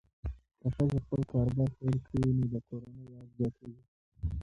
که ښځه خپل کاروبار پیل کړي، نو د کورنۍ عاید زیاتېږي.